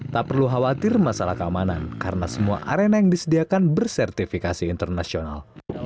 tak perlu khawatir masalah keamanan karena semua arena yang disediakan bersertifikasi internasional